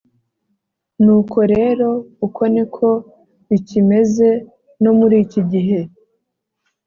Nuko rero uko ni ko bikimeze no muri iki gihe